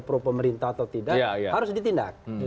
pro pemerintah atau tidak harus ditindak